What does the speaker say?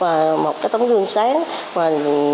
và nêu gương và trách nhiệm trong công tác